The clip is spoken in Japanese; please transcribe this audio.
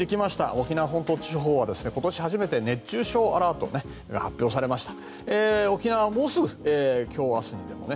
沖縄本島地方は今年初めて熱中症アラートが発表されました。